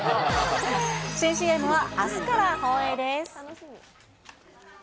新ＣＭはあすから放映です。